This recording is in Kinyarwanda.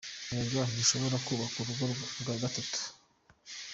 Erega ntushobora kubaka urugo rwa batatu.